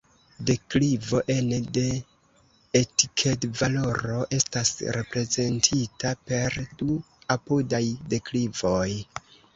Deklivo ene de etikedvaloro estas reprezentita per du apudaj deklivoj.